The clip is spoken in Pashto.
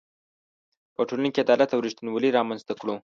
په ټولنه کې عدالت او ریښتینولي رامنځ ته کړو.